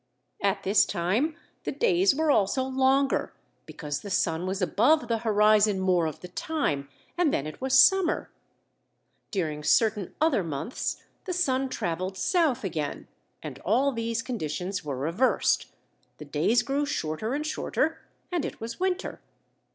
At this time, the days were also longer, because the sun was above the horizon more of the time, and then it was summer. During certain other months, the sun traveled south again, and all these conditions were reversed; the days grew shorter and shorter, and it was winter.